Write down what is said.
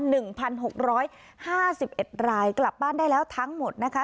หนึ่งพันหกร้อยห้าสิบเอ็ดรายกลับบ้านได้แล้วทั้งหมดนะคะ